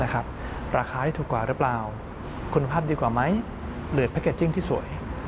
ราคาที่ถูกกว่าหรือเปล่าคุณภาพดีกว่ามั้ยหรือคลื่นที่สวย